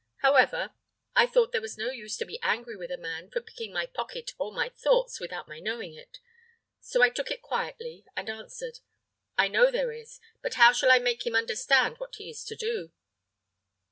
However, I thought there was no use to be angry with a man for picking my pocket of my thoughts without my knowing it; so I took it quietly, and answered, 'I know there is; but how shall I make him understand what he is to do?'